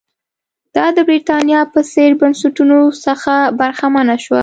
دا د برېټانیا په څېر بنسټونو څخه برخمنه شوه.